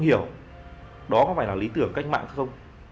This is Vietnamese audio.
bên giờ tôi cũng không hiểu đó có phải là lý tưởng cách mạng không